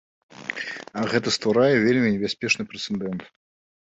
А гэта стварае вельмі небяспечны прэцэдэнт.